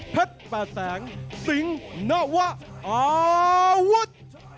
เพชรประแสงสิงห์นาวะอาวุธ